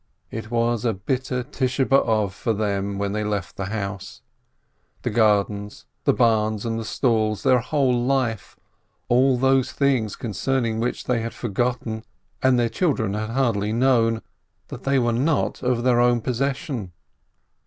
It was a bitter 298 BERSCHADSKI Tisho b'ov for them when they left the house, the gar dens, the barns, and the stalls, their whole life, all those things concerning which they had forgotten, and their children had hardly known, that they were not their own possession.